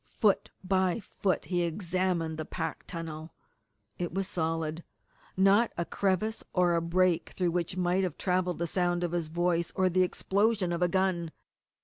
Foot by foot he examined the packed tunnel. It was solid not a crevice or a break through which might have travelled the sound of his voice or the explosion of a gun.